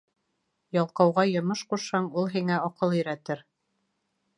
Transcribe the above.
Ялҡауға йомош ҡушһаң, ул һиңә аҡыл өйрәтер.